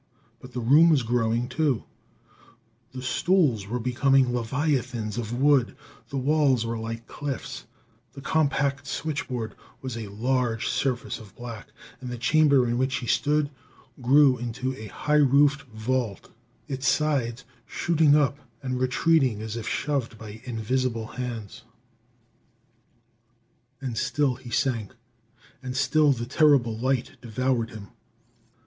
But the room was growing, too: the stools were becoming leviathans of wood, the walls were like cliffs, the compact switchboard was a large surface of black, and the chamber in which he stood grew into a high roofed vault, its sides shooting up and retreating as if shoved by invisible hands. And still he sank, and still the terrible light devoured him.